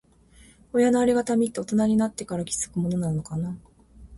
親のありがたみって、大人になってから気づくものなのかな。